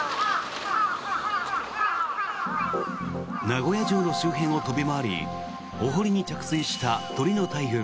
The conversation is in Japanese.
名古屋城の周辺を飛び回りお堀に着水した鳥の大群。